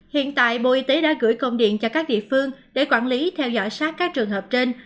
hiện tại bộ y tế đã gửi công điện cho các địa phương để quản lý theo dõi sát các trường hợp trên